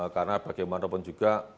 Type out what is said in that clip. karena bagaimanapun juga